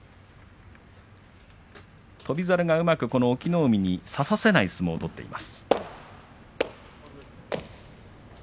翔猿がうまく隠岐の海に差させない相撲を取っています。